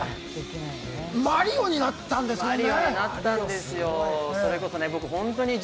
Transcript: マリオになったんですもんね。